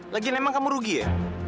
lagian emang kamu rugi ya